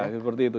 ya seperti itu